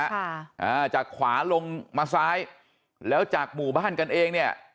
อ่าจากขวาลงมาซ้ายแล้วจากหมู่บ้านกันเองเนี่ย